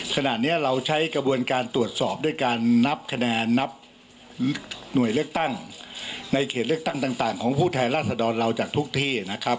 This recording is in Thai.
ขณะนี้เราใช้กระบวนการตรวจสอบด้วยการนับคะแนนนับหน่วยเลือกตั้งในเขตเลือกตั้งต่างของผู้แทนราษฎรเราจากทุกที่นะครับ